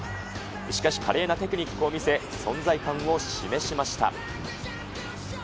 しかし、華麗なテクニックを見せ、存在感を示しました。